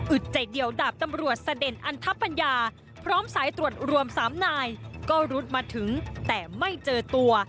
ใจเดียวดาบตำรวจเสด็จอันทปัญญาพร้อมสายตรวจรวม๓นายก็รุดมาถึงแต่ไม่เจอตัว